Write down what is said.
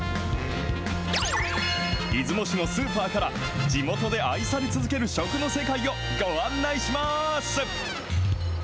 出雲市のスーパーから、地元で愛され続ける食の世界をご案内します。